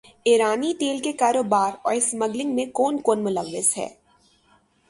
ایرانی تیل کے کاروبار اور اسمگلنگ میں کون کون ملوث ہے